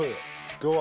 今日は。